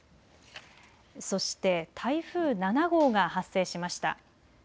そして台風７号が発生しました。